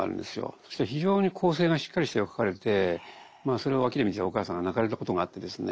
そしたら非常に構成がしっかりした絵を描かれてそれを脇で見てたお母さんが泣かれたことがあってですね